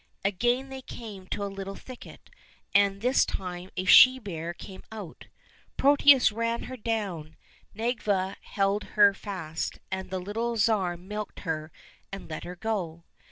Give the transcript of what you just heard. Again they came to a little thicket, and this time a she bear came out. Protius ran her down, Nedviga held her fast, and the little Tsar milked her and let her go.